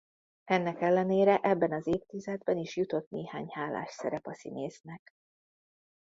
Ennek ellenére ebben az évtizedben is jutott néhány hálás szerep a színésznek.